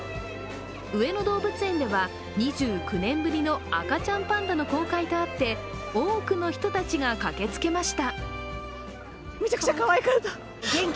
上野動物園では、２９年ぶりの赤ちゃんパンダの公開とあって多くの人たちが駆けつけました。